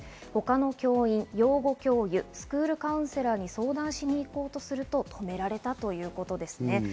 他の教員や、スクールカウンセラーに相談しに行こうとすると止められたということです。